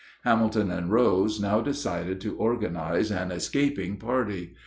] Hamilton and Rose now decided to organize an escaping party.